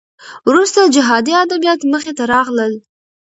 وروسته جهادي ادبیات مخې ته راغلل.